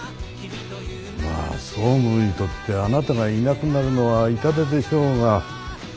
まあ総務部にとってあなたがいなくなるのは痛手でしょうが。